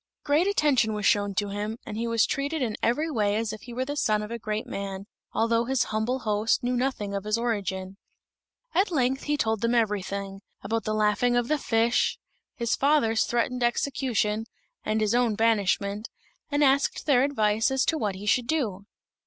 Great attention was shown to him, and he was treated in every way as if he were the son of a great man, although his humble host knew nothing of his origin. At length he told them everything about the laughing of the fish, his father's threatened execution, and his own banishment and asked their advice as to what he should do.